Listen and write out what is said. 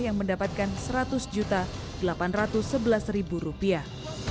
yang mendapatkan seratus delapan ratus sebelas rupiah